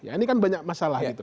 ya ini kan banyak masalah gitu